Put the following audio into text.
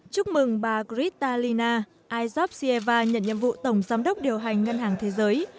chúc mừng bà kristalina e georgieva nhận nhiệm vụ tổng giám đốc điều hành ngân hàng thế giới